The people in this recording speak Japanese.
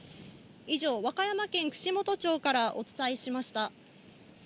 以上、和歌山県串本町からお伝えしました。